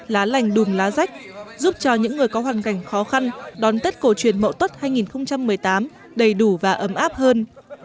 lá lành đùm lá rách giúp cho những người có hoàn cảnh khó khăn đón tết cổ truyền mậu tuất hai nghìn một mươi tám đầy đủ và ấm áp hơn